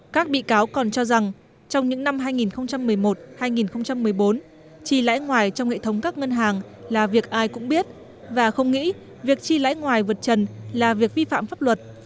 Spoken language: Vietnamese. các bị cáo còn cho rằng trong những năm hai nghìn một mươi một hai nghìn một mươi bốn chi lãi ngoài trong hệ thống các ngân hàng là việc ai cũng biết và không nghĩ việc chi lãi ngoài vượt trần là việc vi phạm pháp luật